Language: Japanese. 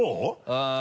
うん。